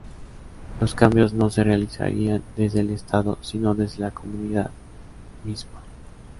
Los cambios no se realizarían desde el Estado sino desde la comunidad misma.